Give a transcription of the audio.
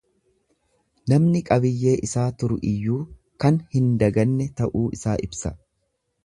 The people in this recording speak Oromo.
Namni qabiyyee isaa turu iyyuu kan hin daganne ta'uu isaa ibsa.